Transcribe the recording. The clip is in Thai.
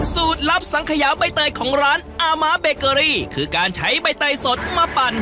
สูตรลับสังขยาใบเตยของร้านอาม้าเบเกอรี่คือการใช้ใบเตยสดมาปั่น